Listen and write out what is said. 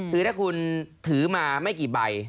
คือถ้าคุณถือมาไม่กี่ใบ